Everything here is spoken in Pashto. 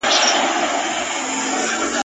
چي په سترګو ورته ګورم په پوهېږم !.